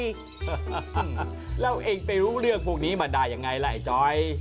แล้วเองไปรู้เรื่องพวกนี้มาได้ยังไงล่ะไอ้จอย